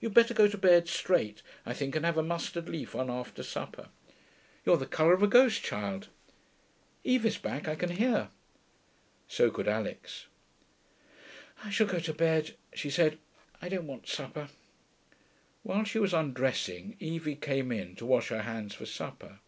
'You'd better go to bed straight, I think, and have a mustard leaf on after supper. You're the colour of a ghost, child. Evie's back, I can hear.' So could Alix. 'I shall go to bed,' she said. 'I don't want supper.' While she was undressing, Evie came in, to wash her hands for supper.